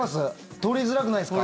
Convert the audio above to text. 取りづらくないですか？